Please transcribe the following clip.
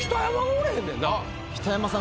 北山さん